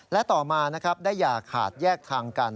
และต่อมานะครับได้อย่าขาดแยกทางกัน